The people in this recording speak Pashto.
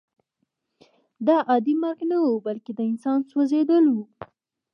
دا عادي مرګ نه و بلکې د انسان سوځېدل وو